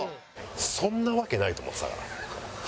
そんな訳ないと思ってたから。